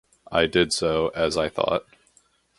I did so, as I thought.